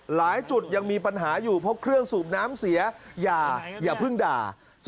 หลายจุดยังมีปัญหาอยู่เพราะเครื่องสูบน้ำเสียอย่าเพิ่งด่า